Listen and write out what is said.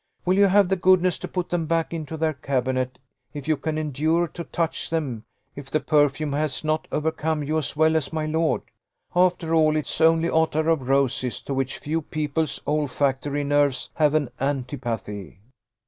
"Will you have the goodness to put them back into their cabinet, if you can endure to touch them, if the perfume has not overcome you as well as my lord? After all, it is only ottar of roses, to which few people's olfactory nerves have an antipathy."